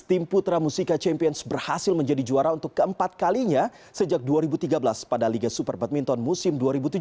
tim putra musica champions berhasil menjadi juara untuk keempat kalinya sejak dua ribu tiga belas pada liga super badminton musim dua ribu tujuh belas